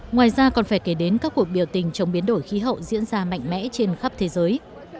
ngoài ra còn phải kể đến các cuộc biểu tình chống biến đổi khí hậu diễn ra mạnh mẽ trên khắp thế giới